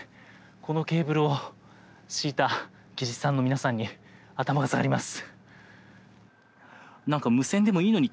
このケーブルを敷いた技術さんの皆さんに頭が下がります。